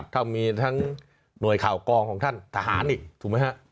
ถ้ามีทั้งหน่วยข่าวกองของท่านทหารอีกถูกไหมฮะ